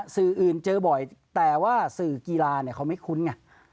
สื่ออื่นเจอบ่อยแต่ว่าสื่อกีฬาเขาไม่คุ้นไง